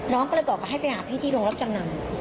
น้องก็เลยบอกว่าให้ไปหาพี่ที่โรงรับจำนำ